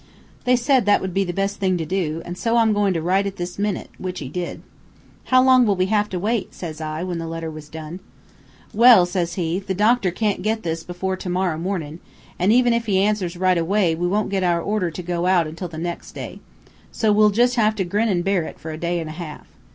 They said that would be the best thing to do, an so I'm goin' to write it this minute,' which he did. "'How long will we have to wait?' says I, when the letter was done. "'Well,' says he, 'the doctor can't get this before to morrow mornin', an' even if he answers right away, we won't get our order to go out until the next day. So we'll jus' have to grin an' bear it for a day an' a half.'